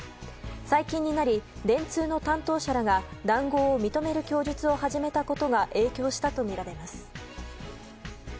最近になり、電通の担当者らが談合を認める供述を始めたことが影響したとみられます。